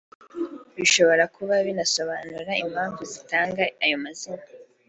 bishobora kuba binasobanura impamvu bazitaga ayo mazina